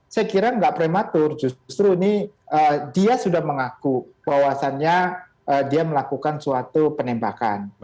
saya kira nggak prematur justru ini dia sudah mengaku bahwasannya dia melakukan suatu penembakan